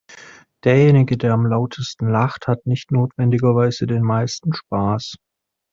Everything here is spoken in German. Derjenige, der am lautesten lacht, hat nicht notwendigerweise den meisten Spaß.